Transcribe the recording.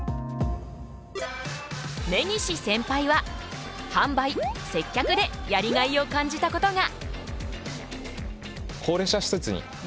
根岸センパイは販売・接客でやりがいを感じたことが！